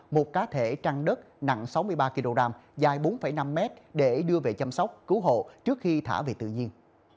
một cá thể trăng đất nặng sáu mươi ba kg dài bốn năm mét để đưa về chăm sóc cứu hộ trước khi thả về tự nhiên